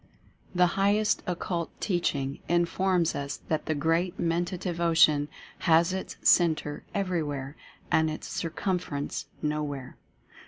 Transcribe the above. The highest Occult Teaching informs us that the Great Mentative Ocean has its centre Everyzvhere and its circumference No where.